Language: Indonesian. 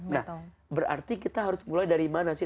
nah berarti kita harus mulai dari mana sih